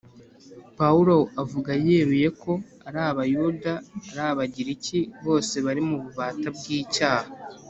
Pawulo avuga yeruye ko ari Abayuda ari Abagiriki bose bari mu bubata bw'icyaha,